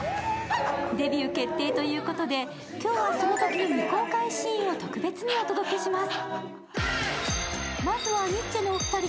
デビュー決定ということで、今日はそのときの未公開シーンを特別にお届けします。